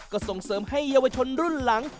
ก็ส่งเสริมให้เยาวชนรุ่นหลัง